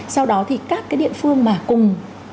sau đó thì các cái địa phương mà cùng